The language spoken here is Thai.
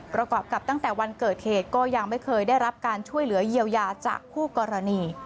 ประกอบกับตั้งแต่วันเกิดเหตุก็ยังไม่เคยได้รับการช่วยเหลือเยียวยาจากคู่กรณี